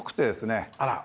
あら。